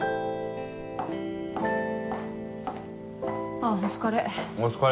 あぁお疲れ。